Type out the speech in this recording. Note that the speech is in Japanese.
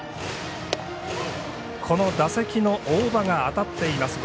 この打席の大場が当たっています。